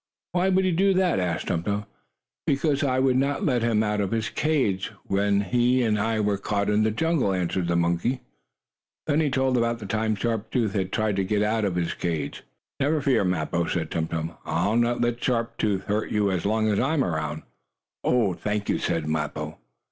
"Why would he do that?" asked Tum Tum. "Because I would not let him out of his cage, when he and I were caught in the jungle," answered the monkey. Then he told about the time Sharp Tooth had tried to get out of his cage. "Never fear, Mappo," said Tum Tum. "I'll not let Sharp Tooth hurt you as long as I am around." "Thank you," said Mappo.